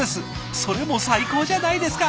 それも最高じゃないですか！